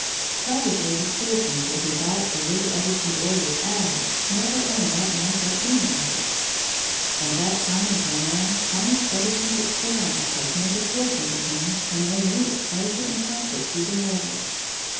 Probably the school teacher who thought the little Edison boy was "addled" never earned that much at any age! From that time until now Thomas Edison's experiments have meant a fortune to him and no end of pleasure and comfort to the world.